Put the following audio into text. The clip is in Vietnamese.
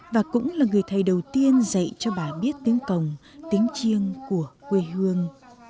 và cũng là người thầy đầu tiên dạy cho bà biết tiếng cổng tiếng chiêng của quê hương